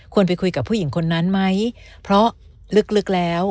ไปคุยกับผู้หญิงคนนั้นไหมเพราะลึกแล้ว